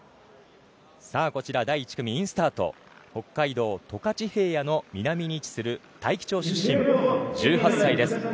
第１組、インスタート北海道十勝平野の南に位置する大樹町出身、１８歳です。